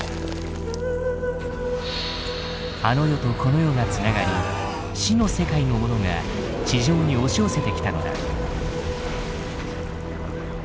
あの世とこの世が繋がり死の世界のものが地上に押し寄せてきたのだ。